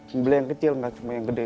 membeli yang kecil nggak cuma yang gede